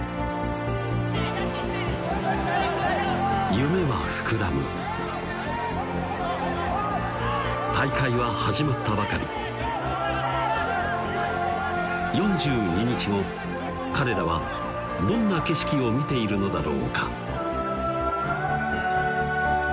夢は膨らむ大会は始まったばかり４２日後彼らはどんな景色を見ているのだろうか